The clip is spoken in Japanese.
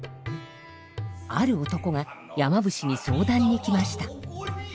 ある男が山伏に相談に来ました。